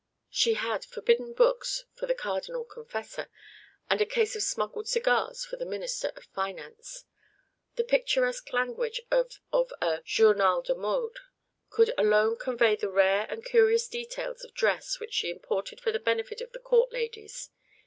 She had forbidden books for the cardinal confessor, and a case of smuggled cigars for the minister of finance. The picturesque language of a "Journal de Modes" could alone convey the rare and curious details of dress which she imported for the benefit of the court ladies.